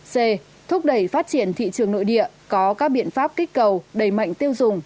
c thúc đẩy phát triển thị trường nội địa có các biện pháp kích cầu đầy mạnh tiêu dùng